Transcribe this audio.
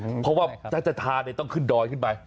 เพราะว่าถ้าจะทานต้องขึ้นดอยขึ้นไป